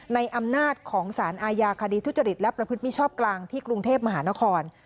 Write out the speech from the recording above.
ในอำนาจของสารอาญาคดีทุจริตและประพฤติมิชอบกลางที่กรุงเทพมหานคร